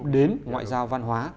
đến ngoại giao văn hóa